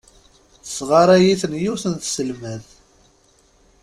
Tesɣaray-iten yiwet n tselmadt.